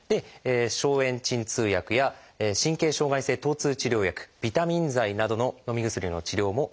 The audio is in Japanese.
消炎鎮痛薬や神経障害性とう痛治療薬ビタミン剤などののみ薬の治療もあります。